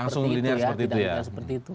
langsung linear seperti itu ya